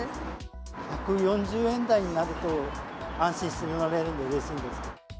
１４０円台になると安心して乗れるのでうれしいです。